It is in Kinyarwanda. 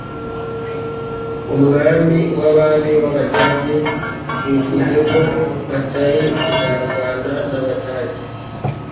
umwami w'abami w'Abadage bivuze ko batari kuzarwana n'Abadage